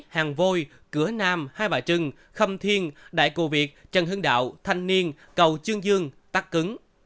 hàng vôi cửa nam hai bà trưng khâm thiên đại cô việt trần hưng đạo thanh niên cầu chương dương tắc cứng